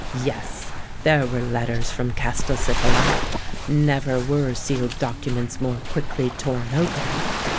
Yes—there were letters from Castelcicala:—never were sealed documents more quickly torn open!